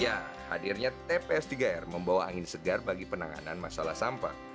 ya hadirnya tps tiga r membawa angin segar bagi penanganan masalah sampah